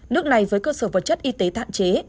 nước này với cơ sở vật chất y tế hạn chế